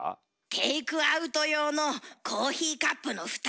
テークアウト用のコーヒーカップの蓋。